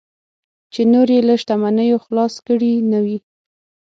چې نور یې له شتمنیو خلاص کړي نه وي.